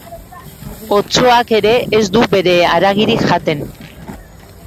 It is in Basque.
Otsoak ere ez du bere haragirik jaten.